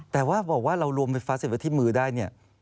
แต่ว่าบอกว่าเรารวมไฟฟ้าสถิตไว้ที่มือได้